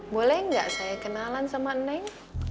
boleh nggak saya kenalan sama neng